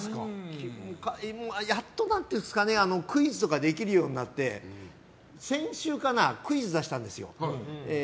やっと、クイズとかできるようになって先週かな、クイズ出したんですよ。